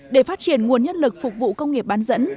để phát triển nguồn nhân lực phục vụ công nghiệp bán dẫn